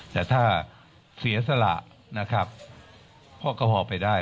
แต่ถ้าเสียสละนะครับพ่อก็พอไปได้